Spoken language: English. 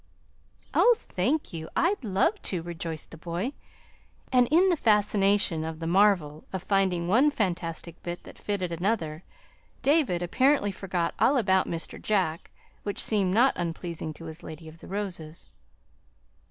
"Oh, thank you! I'd love to," rejoiced the boy. And in the fascination of the marvel of finding one fantastic bit that fitted another, David apparently forgot all about Mr. Jack which seemed not unpleasing to his Lady of the Roses.